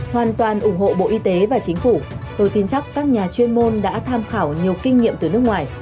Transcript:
hoàn toàn ủng hộ bộ y tế và chính phủ tôi tin chắc các nhà chuyên môn đã tham khảo nhiều kinh nghiệm từ nước ngoài